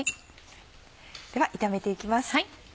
では炒めていきます。